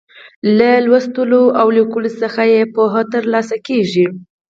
له لوستلو او ليکلو څخه يې پوهه تر لاسه کیږي.